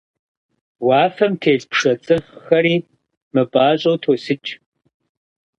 Уафэм телъ пшэ цӀырхъхэри мыпӀащӀэу тосыкӀ.